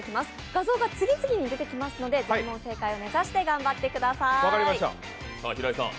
画像が次々にでてきますので全問正解を目指して頑張ってください。